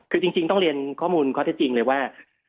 คือจริงต้องเรียนข้อมูลข้อเท็จจริงเลยว่า